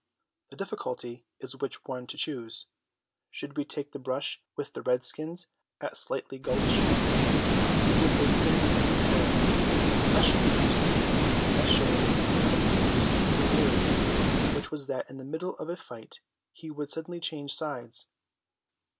The difficulty is which one to choose. Should we take the brush with the redskins at Slightly Gulch? It was a sanguinary affair, and especially interesting as showing one of Peter's peculiarities, which was that in the middle of a fight he would suddenly change sides.